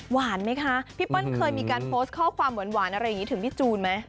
ไหมคะพี่เปิ้ลเคยมีการโพสต์ข้อความหวานอะไรอย่างนี้ถึงพี่จูนไหม